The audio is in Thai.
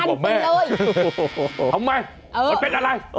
ทำไมมันเป็นอะไร